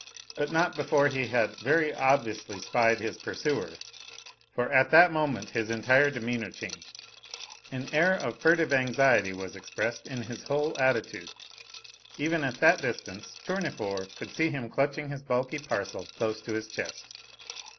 But not before he had very obviously spied his pursuer, for at that moment his entire demeanour changed. An air of furtive anxiety was expressed in his whole attitude. Even at that distance Tournefort could see him clutching his bulky parcel close to his chest.